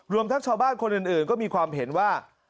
ทั้งชาวบ้านคนอื่นก็มีความเห็นว่า